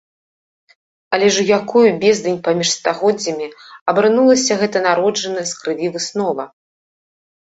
Але ж у якую бездань паміж стагоддзямі абрынулася гэта народжаная з крыві выснова?!